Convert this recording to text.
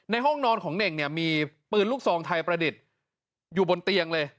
ห้องนอนของเน่งเนี่ยมีปืนลูกซองไทยประดิษฐ์อยู่บนเตียงเลย